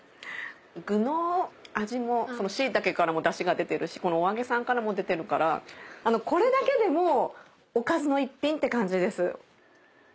具の味もこのシイタケからもだしが出てるしこのお揚げさんからも出てるからこれだけでもおかずの一品って感じです。